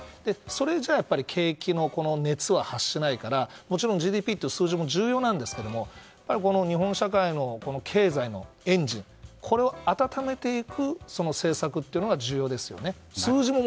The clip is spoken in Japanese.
それじゃ景気の熱は発しないからもちろんＧＤＰという数字も重要なんですけどやっぱり日本社会の経済のエンジンを温めていく政策が重要ですよね。